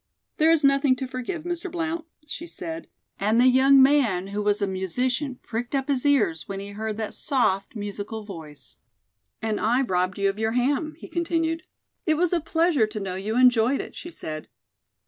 "There is nothing to forgive, Mr. Blount," she said, and the young man who was a musician pricked up his ears when he heard that soft, musical voice. "And I've robbed you of your ham," he continued. "It was a pleasure to know you enjoyed it," she said.